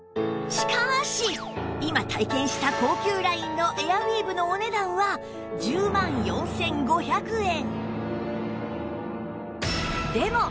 しかし今体験した高級ラインのエアウィーヴのお値段は１０万４５００円